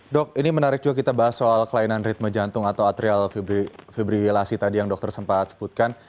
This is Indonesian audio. dok ini menarik juga kita bahas soal kelainan ritme jantung atau atrial fibrilasi tadi yang dokter sempat sebutkan